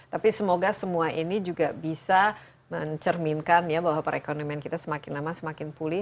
tapi semoga semua ini juga bisa mencerminkan ya bahwa perekonomian kita semakin lama semakin pulih